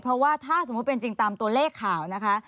เพราะว่าถ้าสมมุติเป็นจริงตามตัวเลขข่าวนะคะ